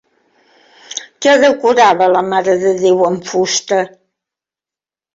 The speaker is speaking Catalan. Què decorava la marededéu en fusta?